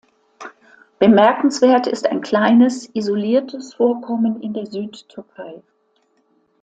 Bemerkenswert ist ein kleines, isoliertes Vorkommen in der Südtürkei.